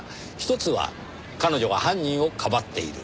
１つは彼女が犯人をかばっている。